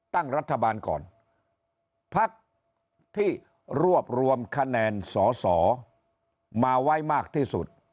ตั้งรัฐบาลก่อนพักที่รวบรวมคะแนนสอสอมาไว้มากที่สุด